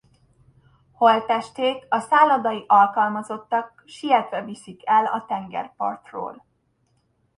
Holttestét a szállodai alkalmazottak sietve viszik el a tengerpartról.